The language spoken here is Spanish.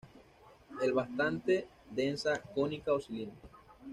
El bastante densa, cónica o cilíndrica.